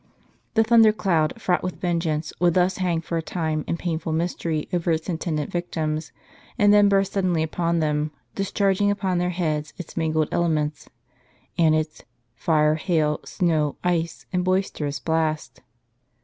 The thundercloud, fraught with vengeance, would thus hang for a time, in painful mystery, over its intended victims, and then burst suddenly upon them, dis charging upon their heads its mingled elements, and its " fire, hail, snow, ice, and boisterous blast."